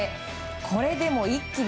これでもう一気に。